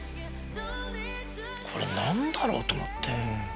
これ何だろう？と思って。